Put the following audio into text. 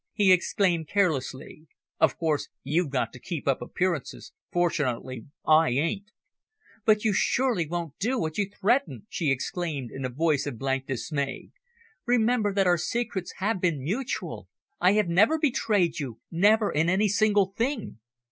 he exclaimed carelessly. "Of course you've got to keep up appearances fortunately, I ain't." "But you surely won't do what you threaten?" she exclaimed in a voice of blank dismay. "Remember that our secrets have been mutual. I have never betrayed you never in any single thing."